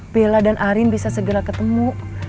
bella dan arin bisa segera ketemu